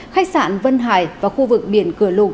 khách sạn vân hải và khu vực biển cửa lục